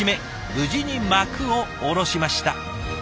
無事に幕を下ろしました。